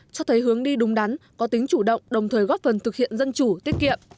cho thấy hướng đi đúng đắn có tính chủ động đồng thời góp phần thực hiện dân chủ tiết kiệm